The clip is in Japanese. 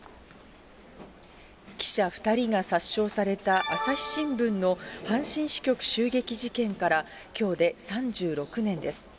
記者２人が殺傷された朝日新聞の阪神支局襲撃事件から、きょうで３６年です。